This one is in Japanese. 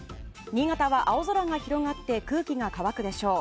新潟は青空が広がって空気が乾くでしょう。